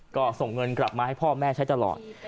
ก็ส่งเงินกลับมาให้พ่อแม่ใช้ตลอด